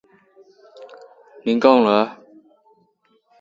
He underwent training from the veteran Sri Lankan swimmer Julian Bolling.